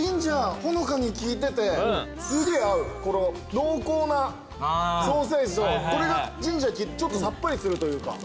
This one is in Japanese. すげえ合うこの濃厚なソーセージとこれがジンジャーちょっとさっぱりするというか。